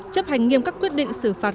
chấp hành nghiêm các quyết định xử phạt